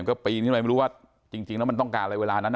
ก็ปีนขึ้นไปไม่รู้ว่าจริงแล้วมันต้องการอะไรเวลานั้น